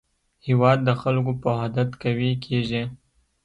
هېواد د خلکو په وحدت قوي کېږي.